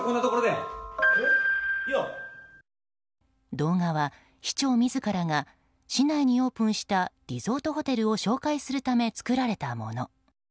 動画は、市長自らが市内にオープンしたリゾートホテルを紹介するため作られたもの。